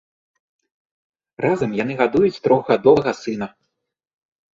Разам яны гадуюць трохгадовага сына.